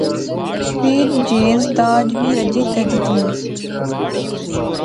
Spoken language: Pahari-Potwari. فیر جہیز داج وی رجی تے دیتنی